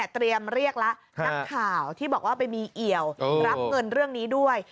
เตรียมเรียกแล้วนักข่าวที่บอกว่าไปมีเอี่ยวรับเงินเรื่องนี้ด้วย